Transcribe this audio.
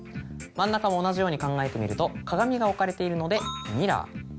真ん中も同じように考えてみると鏡が置かれているので「ミラー」。